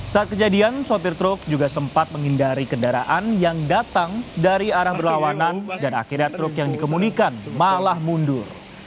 saat kejadian sopir truk juga sempat menghindari kendaraan yang datang dari arah berlawanan dan akhirnya truk yang dikemunikan malah mundur